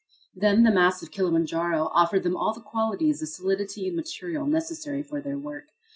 Then, the mass of Kilimanjaro offered them all the qualities of solidity and material necessary for their work.